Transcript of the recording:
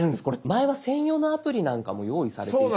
前は専用のアプリなんかも用意されていたんです。